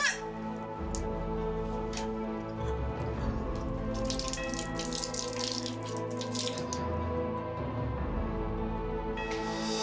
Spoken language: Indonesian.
aku tidak bisa tahu